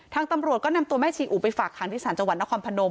ทางตำรวจก็นำตัวแม่ชีอุไปฝากหางที่สารจังหวัดนครพนม